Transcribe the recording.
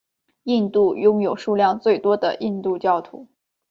印度拥有数量最多印度教徒。